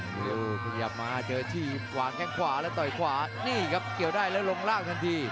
วิดีโอขยับมาเจอที่วางแข้งขวาแล้วต่อยขวานี่ครับเกี่ยวได้แล้วลงล่างทันที